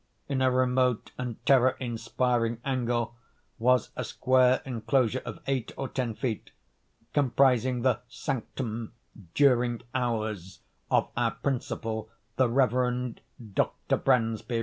In a remote and terror inspiring angle was a square enclosure of eight or ten feet, comprising the sanctum, "during hours," of our principal, the Reverend Dr. Bransby.